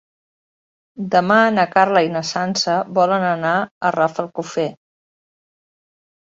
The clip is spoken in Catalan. Demà na Carla i na Sança volen anar a Rafelcofer.